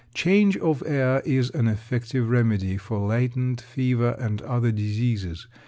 Change of air is an effective remedy for latent fever and other diseases.